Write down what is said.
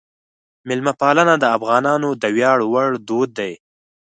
میلمهپالنه د افغانانو د ویاړ وړ دود دی.